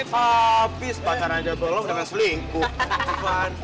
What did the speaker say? tapi sepadan aja tolong dengan selingkuh